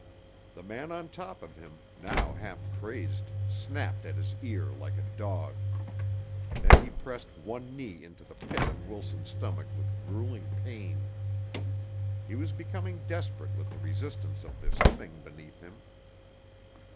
The man on top of him, now half crazed, snapped at his ear like a dog. Then he pressed one knee into the pit of Wilson's stomach with gruelling pain. He was becoming desperate with the resistance of this thing beneath him.